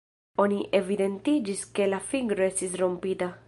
Oni evidentiĝis ke la fingro estis rompita.